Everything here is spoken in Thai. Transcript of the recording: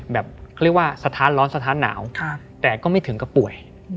เขาเรียกว่าสะท้านร้อนสะท้านหนาวแต่ก็ไม่ถึงกับป่วย